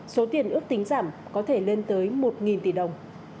số tiền ước tính giảm có thể lên tới một tỷ đồng